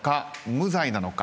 無罪なのか？